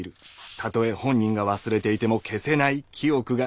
たとえ本人が忘れていても消せない記憶が。